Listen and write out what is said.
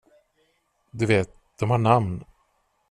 Du vet, de har namn.